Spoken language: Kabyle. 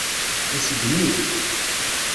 Iseggem-it.